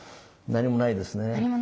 何もないです。